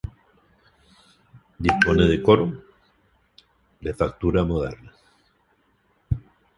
Dispone de coro, de factura moderna.